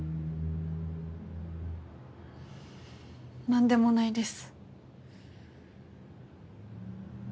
何でもないです。